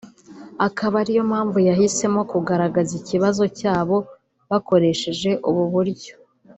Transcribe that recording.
akaba ariyo mpamvu bahisemo kugaragaza ikibazo cyabo bakoresheje ubu buryo